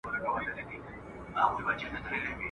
o لڅ د لاري اوړي، وږی د لاري نه اوړي.